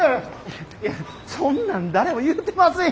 いやそんなん誰も言うてません。